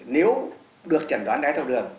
nếu được chẩn đoán đáy thao đường